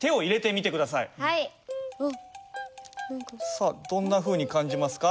さあどんなふうに感じますか？